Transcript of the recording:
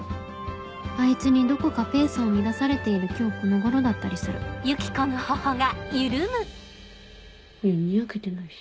あいつにどこかペースを乱されている今日この頃だったりするいやにやけてないし。